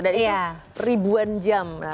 dan itu ribuan jam